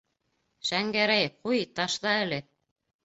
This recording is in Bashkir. Шәңгәрәй, ҡуй, ташла әле!